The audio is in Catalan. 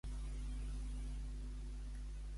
Què considera Pardiñas que és la ciutat de València?